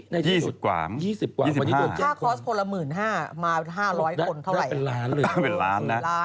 นายจริงหรือวันนี้ตัวเจ็บ๕คอร์สคนละ๑๕๐๐๐มา๕๐๐คนเท่าไหร่น่าเป็นล้านเลย